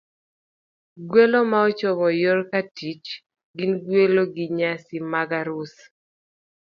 Gwelo ma ochomo yor katich gin gwelo ji e nyasi mag arus,